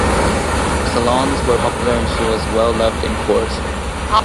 Her Salons were popular and she was well loved in court.